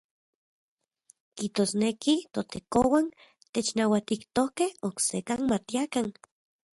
Kijtosneki ToTekouan technauatijtokej oksekan matiakan.